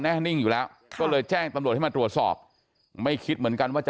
นิ่งอยู่แล้วก็เลยแจ้งตำรวจให้มาตรวจสอบไม่คิดเหมือนกันว่าจะ